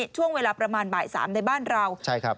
ช่วงเวลาประมาณบ่าย๓ในบ้านเรา